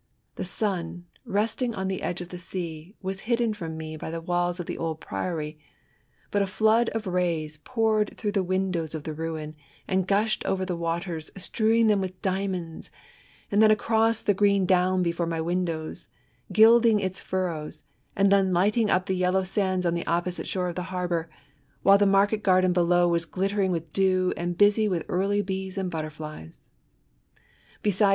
The sun, resting on the edge of the sea, was hidden £rom me by the walls of the old priory : but a flood of rays poured through the windows of the ruin, and gushed oyer the waters, strewing them with diamonds, and then across the green down before my windows, gilding its furrows, and then lighting up the yellow sands on the opposite shore of the harbour, while the market garden below was glittering with dew and busy with early bees and butterflies, Besides.